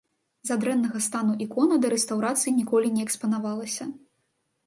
З-за дрэннага стану ікона да рэстаўрацыі ніколі не экспанавалася.